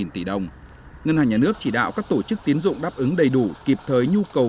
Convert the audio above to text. hai trăm năm mươi tỷ đồng ngân hàng nhà nước chỉ đạo các tổ chức tín dụng đáp ứng đầy đủ kịp thời nhu cầu